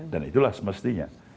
dan itulah semestinya